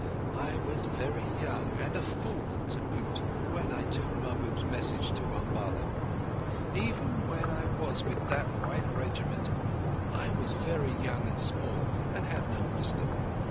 I was very young, and a fool to boot, when I took Mahbub's message to Umballa. Even when I was with that white Regiment I was very young and small and had no wisdom.